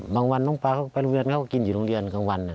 บางวันน้องปลาเขาไปโรงเรียนเขาก็กินอยู่โรงเรียนกลางวัน